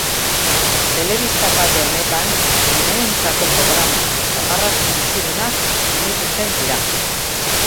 Telebista kate honetan umeentzako programak eta marrazki bizidunak emititzen dira.